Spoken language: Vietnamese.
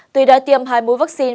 tuy đã tiêm hai mũi vaccine